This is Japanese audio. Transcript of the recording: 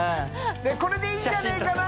これでいいんじゃねぇかな？